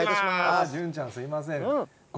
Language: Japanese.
潤ちゃん、すみません。